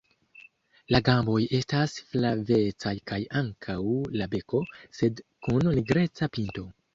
La gamboj estas flavecaj kaj ankaŭ la beko, sed kun nigreca pinto.